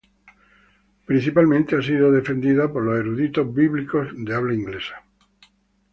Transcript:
Principalmente ha sido defendida por los eruditos bíblicos de habla inglesa.